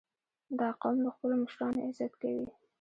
• دا قوم د خپلو مشرانو عزت کوي.